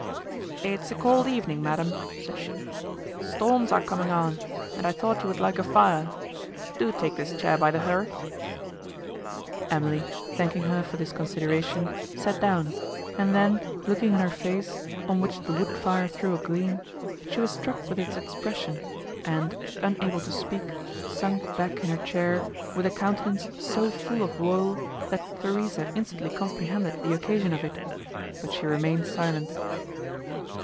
"It is a cold evening, madam," said she, "storms are coming on, and I thought you would like a fire. Do take this chair by the hearth." Emily, thanking her for this consideration, sat down, and then, looking in her face, on which the wood fire threw a gleam, she was struck with its expression, and, unable to speak, sunk back in her chair with a countenance so full of woe, that Theresa instantly comprehended the occasion of it, but she remained silent.